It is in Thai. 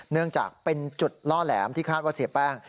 เนื่องจากเป็นจุดล่อแหลมที่คาดว่าเสียแป้ง